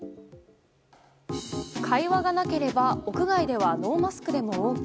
会話がなければ屋外ではノーマスクでもＯＫ。